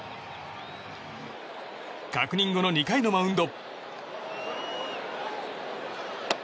確認後の２回のマウンド。